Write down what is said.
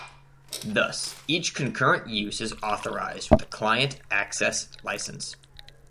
Thus each concurrent use is authorized with a client access license.